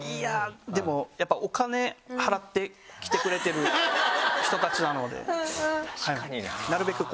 でもやっぱお金払って来てくれてる人たちなので。